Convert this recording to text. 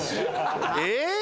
えっ？